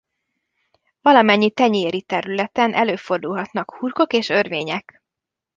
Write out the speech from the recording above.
Valamennyi tenyéri területen előfordulhatnak hurkok és örvények.